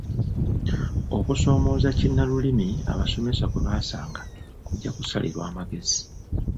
Okusoomooza kinnalulimi abasomesa kwe basanga kujja kusalirwa amagezi.